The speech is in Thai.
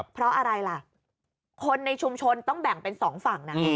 เพราะอะไรล่ะคนในชุมชนต้องแบ่งเป็นสองฝั่งนะ